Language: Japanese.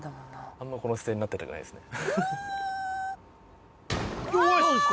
あんまりこの姿勢になってたくないですね